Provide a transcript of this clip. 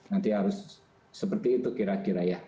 nanti harus seperti itu kira kira ya